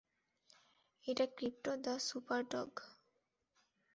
এটা Crypto the Superdog.